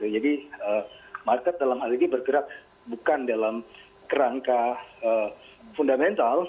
jadi market dalam hal ini bergerak bukan dalam kerangka fundamental